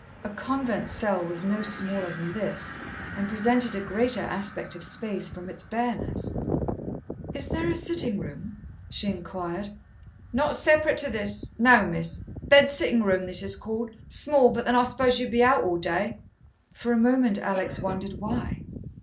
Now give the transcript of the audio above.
A convent cell was no smaller than this, and presented a greater aspect of space from its bareness. "Is there a sitting room?" she inquired. "Not separate to this no, Miss. Bed sitting room, this is called. Small, but then I suppose you'd be out all day." For a moment Alex wondered why.